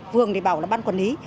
phường thì bảo là ban quản lý